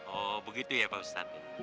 oh begitu ya pak ustadz